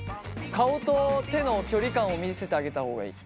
顔と手の距離感を見せてあげた方がいい。